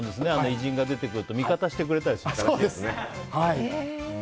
偉人が出てくると味方してくれたりするからね。